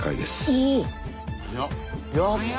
おやった！